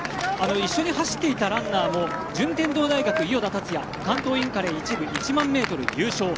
一緒に走っていたランナーも順天堂大学、伊豫田達弥関東インカレ１部１００００ｍ優勝。